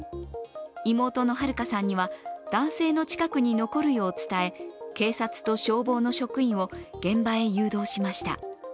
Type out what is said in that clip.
妹の遥花さんには男性の近くに残るよう伝え警察と消防の職員を現場へ誘導しました。